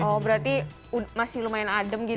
oh berarti masih lumayan adem gitu